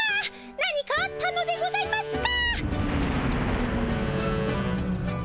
何かあったのでございますか？